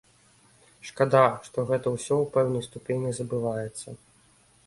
Шкада, што гэта ўсё ў пэўнай ступені забываецца.